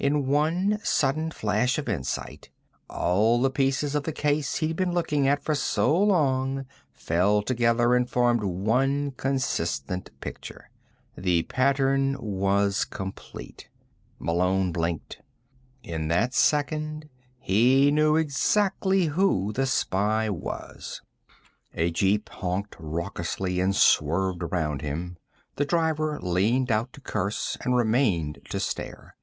In one sudden flash of insight, all the pieces of the case he'd been looking at for so long fell together and formed one consistent picture. The pattern was complete. Malone blinked. In that second, he knew exactly who the spy was. A jeep honked raucously and swerved around him. The driver leaned out to curse and remained to stare.